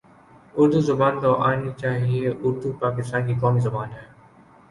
اردو زبان تو آنی چاہیے اردو پاکستان کی قومی زبان ہے